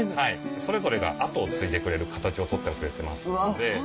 それぞれが後を継いでくれる形をとってくれてますので。